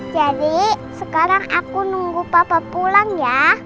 sekarang aku nunggu papa pulang ya